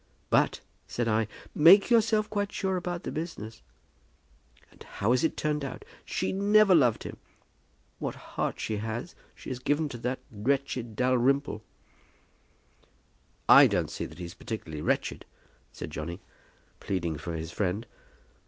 'But,' said I, 'make yourself quite sure about the business.' And how has it turned out? She never loved him. What heart she has she has given to that wretched Dalrymple." "I don't see that he is particularly wretched," said Johnny, pleading for his friend.